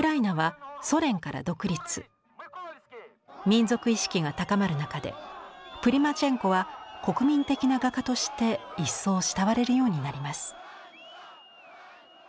民族意識が高まる中でプリマチェンコは国民的な画家として一層慕われるようになります。